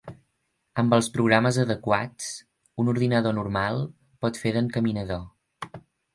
Amb els programes adequats, un ordinador normal pot fer d'encaminador.